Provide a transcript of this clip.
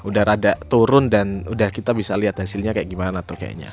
udah rada turun dan udah kita bisa lihat hasilnya kayak gimana tuh kayaknya